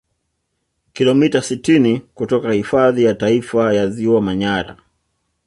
kilomita sitini kutoka hifadhi ya taifa ya ziwa manyara